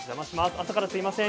朝からすみません。